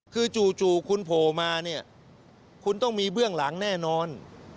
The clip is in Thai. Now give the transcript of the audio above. คือจู่คุณโผล่มาเนี่ยคุณต้องมีเบื้องหลังแน่นอน